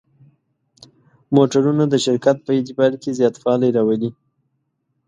موټرونه د شرکت په اعتبار کې زیاتوالی راولي.